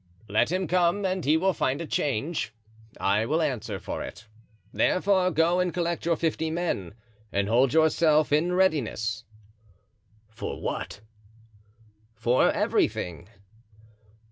"Let him come and he will find a change, I will answer for it." "Therefore, go and collect your fifty men and hold yourself in readiness." "For what?" "For everything."